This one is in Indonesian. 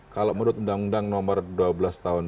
kalau menurut undang undang nomor dua belas tahun dua ribu